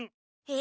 え！